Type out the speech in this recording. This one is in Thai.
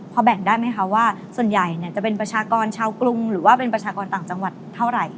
พอแบ่งได้ไหมคะว่าส่วนใหญ่จะเป็นประชากรชาวกรุงหรือว่าเป็นประชากรต่างจังหวัดเท่าไหร่